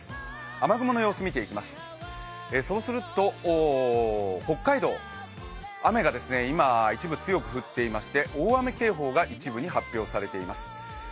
雨雲の様子、見ていきますと北海道、雨が今、一部強く降っていまして、大雨警報が一部に発表されています。